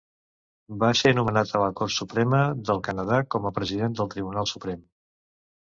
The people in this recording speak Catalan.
Va ser nomenat a la Cort Suprema del Canadà com a president del Tribunal Suprem.